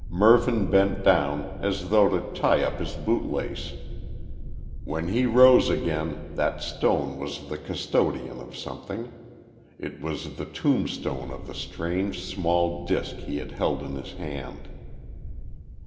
Mervyn bent down as though to tie up his bootlace. When he rose again that stone was the custodian of something. It was the tombstone of the strange small disk he had held in his hand.